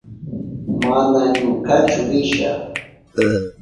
Mana ñukachu risha.